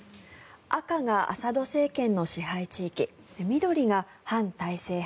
赤がアサド政権の支配地域緑が反体制派。